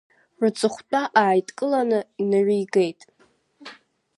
Рҵыхәтәа ааидкыланы иныригеит.